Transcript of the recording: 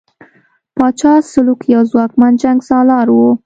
پاچا سلوکو یو ځواکمن جنګسالار وو.